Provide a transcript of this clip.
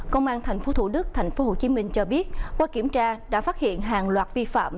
công an tp thủ đức tp hcm cho biết qua kiểm tra đã phát hiện hàng loạt vi phạm